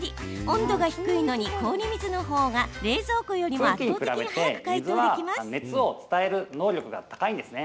温度が低いのに氷水のほうが冷蔵庫よりも圧倒的に早く解凍できるんです。